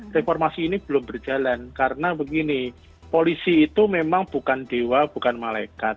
reformasi ini belum berjalan karena begini polisi itu memang bukan dewa bukan malaikat